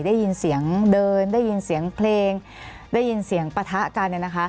ได้ยินเสียงเดินได้ยินเสียงเพลงได้ยินเสียงปะทะกัน